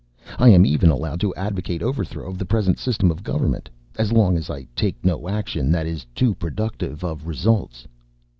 I am even allowed to advocate overthrow of the present system of government as long as I take no action that is too productive of results.